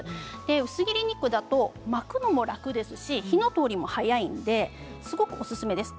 薄切り肉だと巻くのも楽ですし火の通りも早いのですごくおすすめです。